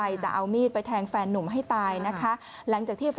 อ่าแล้วมีดไปปากหน้าอกได้ไง